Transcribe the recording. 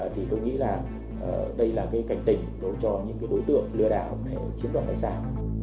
thì tôi nghĩ là đây là cái cảnh tỉnh đối cho những đối tượng lừa đảo chiếm đoạt tài sản